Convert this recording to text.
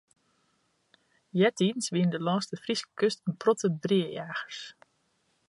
Eartiids wienen der lâns de Fryske kust in protte breajagers.